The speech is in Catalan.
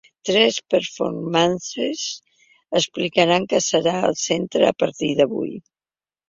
Tres performances explicaran què serà el centre a partir d’avui.